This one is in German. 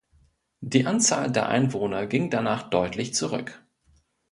Die Anzahl der Einwohner ging danach deutlich zurück.